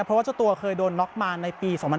เพราะว่าช่วงตัวเคยโดนล็อคมาในปี๒๐๐๘